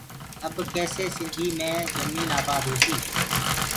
اب ڪيسي سنڌي مين جميني آبآد هوسيٚ